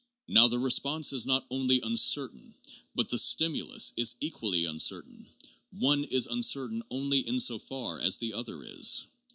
Now the response is not only uncertain, but the stimulus is equally uncertain ; one is uncertain only in so far as the other is.